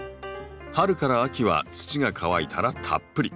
春から秋は土が乾いたらたっぷり。